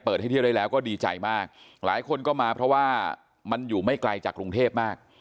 ให้เที่ยวได้แล้วก็ดีใจมากหลายคนก็มาเพราะว่ามันอยู่ไม่ไกลจากกรุงเทพมาก